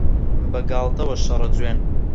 بەگاڵتەوە شەڕە جوێن